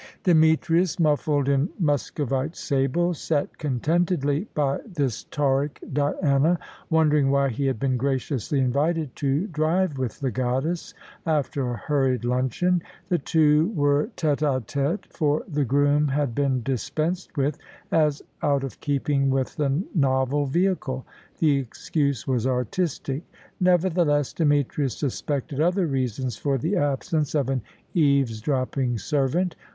Demetrius, muffled in Muscovite sables, sat contentedly by this Tauric Diana, wondering why he had been graciously invited to drive with the goddess, after a hurried luncheon. The two were tête à tête, for the groom had been dispensed with as out of keeping with the novel vehicle. The excuse was artistic. Nevertheless, Demetrius suspected other reasons for the absence of an eavesdropping servant.